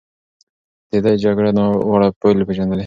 ده د جګړې ناوړه پايلې پېژندلې.